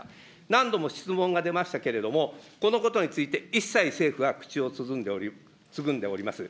何度も質問が出ましたけれども、このことについて、一切、政府は口をつぐんでおります。